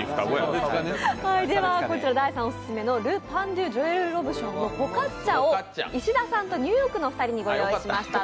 大さんオススメのルパンドゥジョエル・ロブションのフォカッチャを石田さんとニューヨークのお二人にご用意しました。